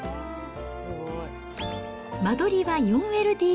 間取りは４ＬＤＫ。